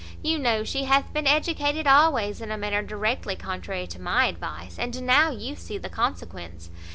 You know she hath been educated always in a manner directly contrary to my advice, and now you see the consequence.